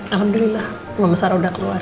alhamdulillah mama sarah udah keluar